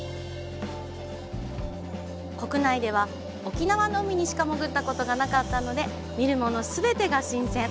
国内では沖縄の海にしか潜ったことがなかったので、見るもの全てが新鮮。